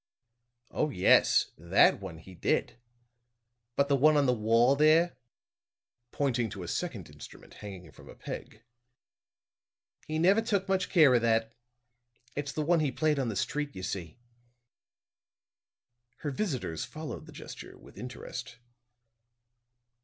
"Oh, yes; that one he did. But the one on the wall there," pointing to a second instrument hanging from a peg, "he never took much care of that. It's the one he played on the street, you see." Her visitors followed the gesture with interest.